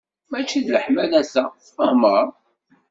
Mačči d leḥmala ta, tfahmeḍ?